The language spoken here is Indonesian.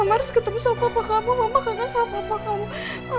mama harus ketemu sahabat papa kamu mama kagak sahabat papa kamu